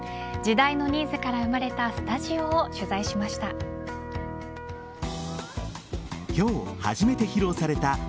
時代のニーズから生まれたスタジオを取材しました。